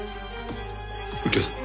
右京さん